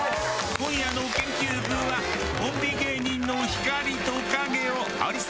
今夜の研究部はコンビ芸人の光と影を掘り下げます。